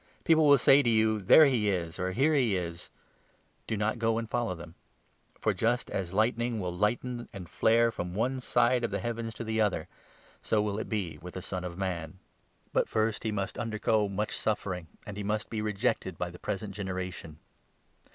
People will say to you 'There he 23 is !' or ' Here he is !' Do not go and follow them. For, just 24 as lightning will lighten and flare from one side of the heavens to the other, so will it be with the Son of Man. But 25 first he must undergo much suffering, and he must be rejected by the present generation.